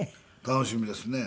楽しみですね。